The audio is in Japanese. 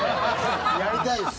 やりたいです。